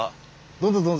どうぞどうぞ。